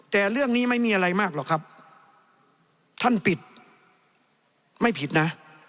แต่เรื่องนี้ไม่มีอะไรมากหรอกครับท่านปิดไม่ผิดนะ